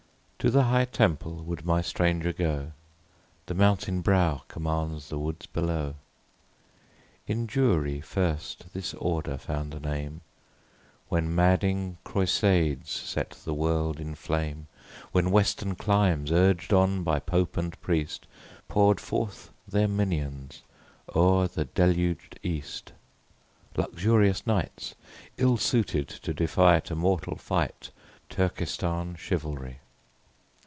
To the high Temple would my stranger go, The mountain brow commands the woods below: In Jewry first this order found a name, When madding Croisades set the world in flame; When western climes, urged on by pope and priest Pour'd forth their minions o'er the deluged East: Luxurious knights, ill suited to defy To mortal fight Turcestan chivalry.